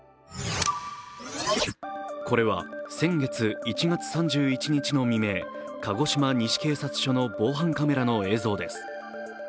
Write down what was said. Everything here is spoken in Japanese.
これは先月１月３１日の未明、鹿児島西警察署の防犯カメラの映像です。